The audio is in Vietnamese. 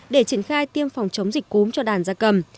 để triển khai tiêm phòng chống dịch cúm cho đàn gia cầm